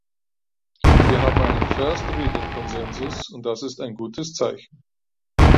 Wir haben einen first reading consensus, und das ist ein gutes Zeichen.